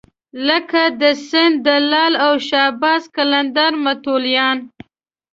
لکه د سیند د لعل او شهباز قلندر متولیان.